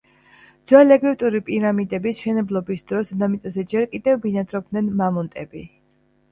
ძველეგვიპტური პირამიდების მშენებლობის დროს დედამიწაზე ჯერ კიდევ ბინადრობდნენ მამონტები.